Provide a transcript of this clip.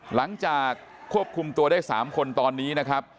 หลังจากควบคุมตัวได้๓คนตอนนี้นะครับ